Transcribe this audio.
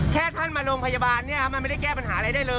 แค่ท่านมาโรงพยาบาลมันไม่ได้แก้ปัญหาอะไรได้เลย